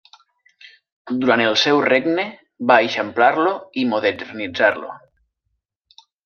Durant el seu regne va eixamplar-lo i modernitzar-lo.